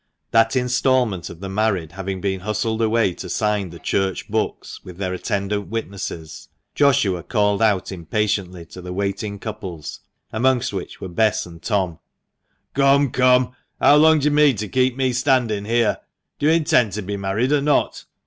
That instalment of the married having been hustled away to sign the church books, with their attendant witnesses, Joshua called out impatiently to the waiting couples, amongst which were Bess and Tom — '•Come, come! How long do you mean to keep me standing here? Do you intend to be married or not?